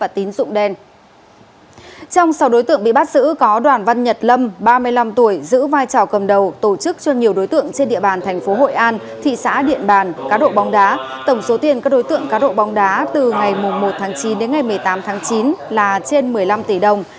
tiền các đối tượng cá độ bóng đá từ ngày một chín đến ngày một mươi tám chín là trên một mươi năm tỷ đồng